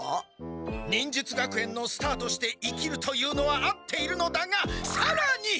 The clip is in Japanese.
忍術学園のスターとして生きるというのはあっているのだがさらに！